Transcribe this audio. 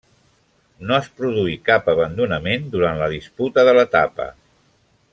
No es produí cap abandonament durant la disputa de l'etapa.